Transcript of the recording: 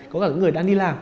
có cả những người đang đi làm